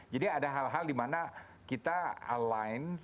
jadi ada hal hal di mana kita align